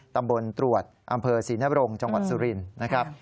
ตำรวจตรวจอำเภอศรีนบรงจังหวัดสุรินทร์นะครับ